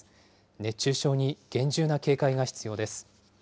熱中症に厳重な警戒が必要です。